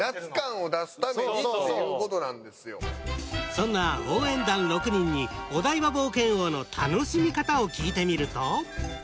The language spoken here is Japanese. そんな応援団６人にお台場冒険王の楽しみ方を聞いてみると。